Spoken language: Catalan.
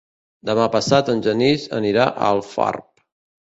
Demà passat en Genís anirà a Alfarb.